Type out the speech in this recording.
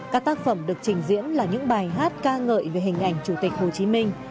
các tác phẩm được trình diễn là những bài hát ca ngợi về hình ảnh chủ tịch hồ chí minh